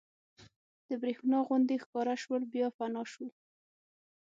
د برېښنا غوندې ښکاره شول بیا فنا شول.